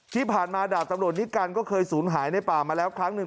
ที่ผ่านมาดาบตำรวจนิกัลก็เคยสูญหายในป่ามาแล้วครั้งหนึ่ง